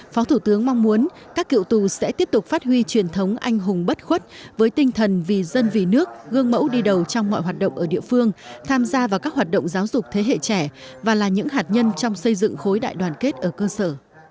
phó thủ tướng mong muốn các cựu tù sẽ tiếp tục phát huy truyền thống anh hùng bất khuất với tinh thần vì dân vì nước gương mẫu đi đầu trong mọi hoạt động ở địa phương tham gia vào các hoạt động giáo dục thế hệ trẻ và là những hạt nhân trong xây dựng khối đại đoàn kết ở cơ sở